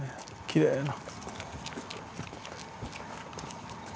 きれいな。